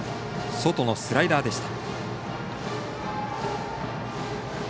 外のスライダーでした。